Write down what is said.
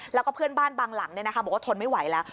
แล้วก็เพื่อนบ้านบางหลังบอกว่าทนไม่ไหวแล้ว